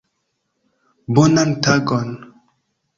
Bonan tagon!